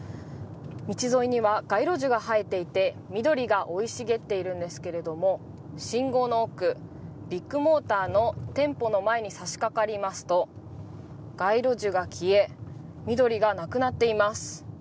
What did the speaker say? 道沿いには街路樹が生えていて緑が生い茂っているんですけれども信号の奥、ビッグモーターの店舗の前にさしかかりますと街路樹が消え、緑がなくなっています。